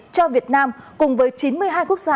cho việt nam cùng với chín mươi hai quốc gia